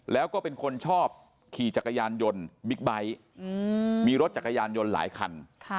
แล้วก็เป็นคนชอบขี่จักรยานยนต์บิ๊กไบท์มีรถจักรยานยนต์หลายคัน